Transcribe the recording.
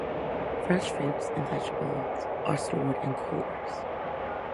Fresh fruits and vegetables are stored in coolers.